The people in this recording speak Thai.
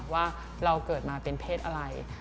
ว่าเราเกิดมาเป็นเพศอะไร